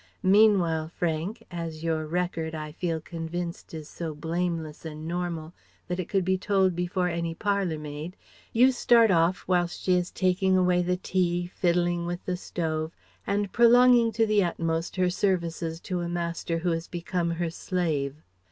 Meanwhile Frank, as your record, I feel convinced, is so blameless and normal that it could be told before any parlour maid, you start off whilst she is taking away the tea, fiddling with the stove, and prolonging to the uttermost her services to a master who has become her slave."